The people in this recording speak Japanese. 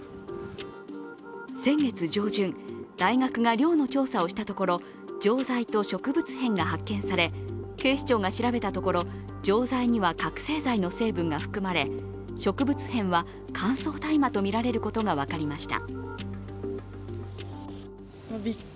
先月上旬、大学が寮の調査をしたところ、錠剤と植物片が発見され警視庁が調べたところ錠剤には覚醒剤の成分が含まれ植物片は乾燥大麻とみられることが分かりました。